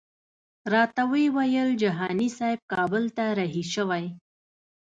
راته ویې ویل جهاني صاحب کابل ته رهي شوی.